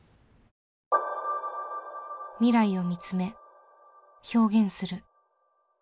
未来を見つめ表現する。